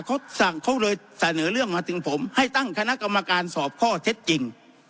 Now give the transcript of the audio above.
เขาสั่งเขาเลยเสนอเรื่องมาถึงผมให้ตั้งคณะกรรมการสอบข้อเท็จจริง